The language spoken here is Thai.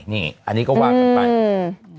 นี่อันนี้ก็วางกันไป